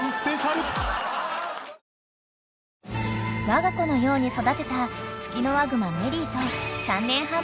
［わが子のように育てたツキノワグマメリーと］